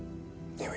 では。